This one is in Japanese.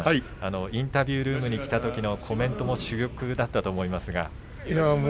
インタビュールームに来たときのコメントも珠玉だったと思いますが。